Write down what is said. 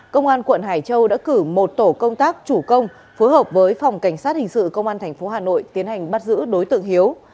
công an quận hải châu đã cử một tổ công tác chủ công phối hợp với phòng cảnh sát hình sự công an tp hà nội tiến hành bắt giữ đối tượng hiếu